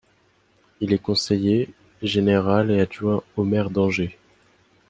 Il est conseiller général et adjoint au maire d'Angers.